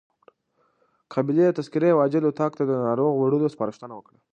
قابلې د تذکرې او عاجل اتاق ته د ناروغ وړلو سپارښتنه وکړه.